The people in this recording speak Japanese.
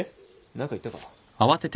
何か言ったか？